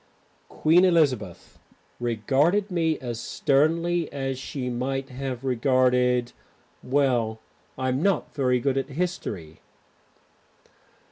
Queen Elizabeth regarded me as sternly as she might have regarded Well, I'm not very good at history.